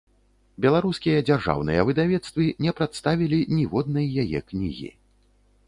Беларускія дзяржаўныя выдавецтвы не прадставілі ніводнай яе кнігі.